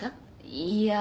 いや。